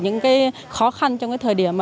những cái khó khăn trong cái thời điểm mà